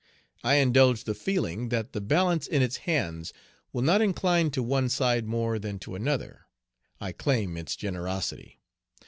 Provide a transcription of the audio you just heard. I indulge the feeling that the balance in its hands will not incline to one side more than to another. I claim its generosity.